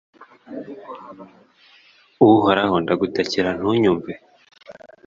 uhoraho, ndagutakambira ntunyumve